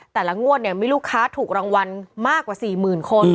แต่ละงวดเนี่ยมีลูกค้าถูกรางวัลมากกว่า๔๐๐๐คน